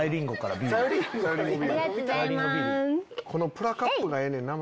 プラカップがええねんな。